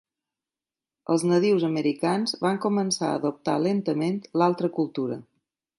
Els nadius americans van començar a adoptar lentament l'altra cultura.